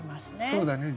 そうだね。